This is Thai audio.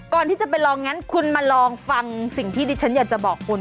ก่อนที่จะไปลองงั้นคุณมาลองฟังสิ่งที่ดิฉันอยากจะบอกคุณ